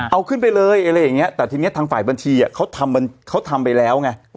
เอาขึ้นไปเลยอะไรอย่างนี้แต่ทีนี้ทางฝ่ายบัญชีเขาทำไปแล้วไง